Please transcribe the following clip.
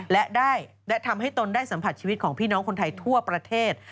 และได้ทำให้ตนได้สัมผัสชีวิตของพี่น้องคนไทยทั่วประเทศ